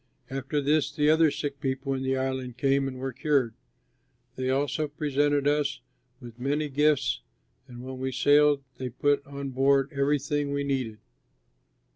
After this the other sick people in the island came and were cured. They also presented us with many gifts, and when we sailed, they put on board everything we needed.